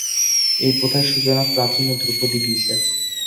এই প্রথার সূচনা প্রাচীন ও ধ্রুপদী গ্রিসে।